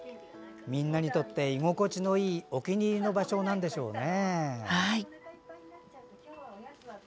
みんなにとって居心地のいいお気に入りの場所なんでしょうね。